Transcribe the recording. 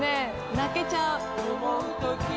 泣けちゃう。